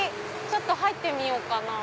ちょっと入ってみようかな。